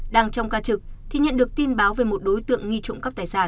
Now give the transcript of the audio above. đang trong ca trực thì nhận được tin báo về một đối tượng nghi trụng cấp tài sản